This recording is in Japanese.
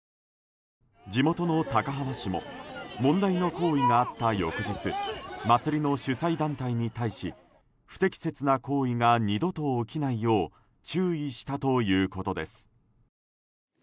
地元の高浜市も問題の行為があった翌日祭りの主催団体に対し不適切な行為が二度と起きないよう注意したということです。